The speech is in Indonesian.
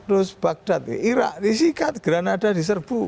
rus bagdad irak disikat granada diserbu